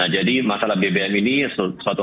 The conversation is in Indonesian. jadi masalah bbm ini suatu